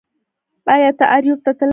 ایا ته اریوب ته تللی یې